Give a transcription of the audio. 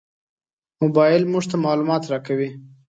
موبایل موږ ته معلومات راکوي.